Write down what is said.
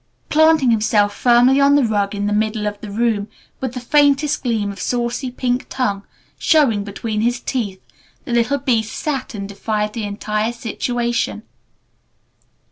Planting himself firmly on the rug in the middle of the room, with the faintest gleam of saucy pink tongue showing between his teeth, the little beast sat and defied the entire situation.